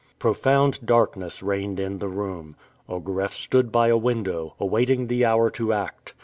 Profound darkness reigned in the room. Ogareff stood by a window, awaiting the hour to act.